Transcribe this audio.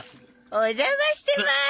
お邪魔してまーす。